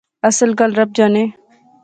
اصل گل رب جانے